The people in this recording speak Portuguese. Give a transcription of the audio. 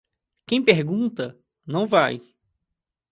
Quem pergunta não vai.